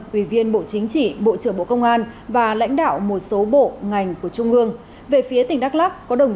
quỳ viên bộ chính trị bộ trưởng bộ công an và lãnh đạo một số bộ ngành của trung ương